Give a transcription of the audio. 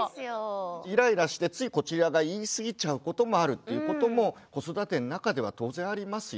イライラしてついこちらが言い過ぎちゃうこともあるということも子育ての中では当然ありますよね。